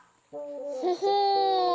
ほほう。